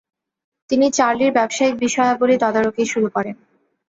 তিনি চার্লির ব্যবসায়িক বিষয়াবলী তাদারকি শুরু করেন।